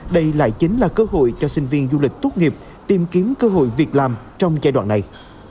đây lại chính là cơ hội cho sinh viên du lịch tốt nghiệp tìm kiếm cơ hội việc làm trong giai đoạn này